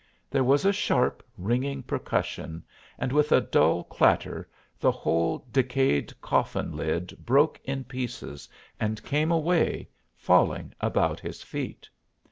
There was a sharp, ringing percussion, and with a dull clatter the whole decayed coffin lid broke in pieces and came away, falling about his feet.